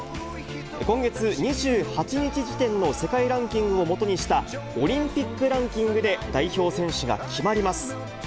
今月２８日時点の世界ランキングを基にしたオリンピックランキングで代表選手が決まります。